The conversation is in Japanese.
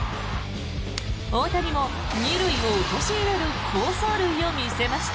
大谷も２塁を陥れる好走塁を見せました。